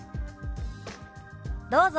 どうぞ！